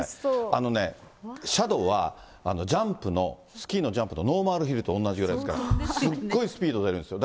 あのね、斜度は、ジャンプの、スキーのジャンプのノーマルヒルとおんなじぐらいですから、すごいスピード出るんですよ。